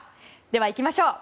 ではいきましょう。